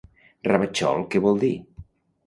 Ravatxol què vol dir?